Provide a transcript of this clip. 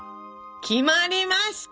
決まりましたね